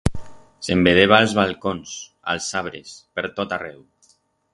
Se'n vedeba a'ls balcons, a'ls abres, per tot arreu.